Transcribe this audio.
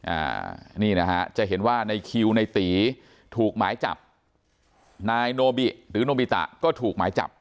อ่านี่นะฮะจะเห็นว่าในคิวในตีถูกหมายจับนายโนบิหรือโนบิตะก็ถูกหมายจับ